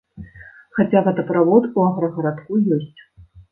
Хаця вадаправод у аграгарадку ёсць.